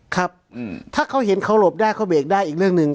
ครับถ้าเขาเห็นเขาหลบได้เขาเบรกได้อีกเรื่องหนึ่ง